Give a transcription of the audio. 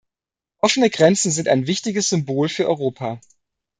Offene Grenzen sind ein wichtiges Symbol für Europa.